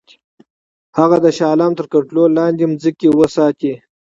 هغه د شاه عالم تر کنټرول لاندي ځمکې وساتي.